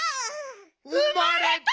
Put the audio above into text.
うまれた！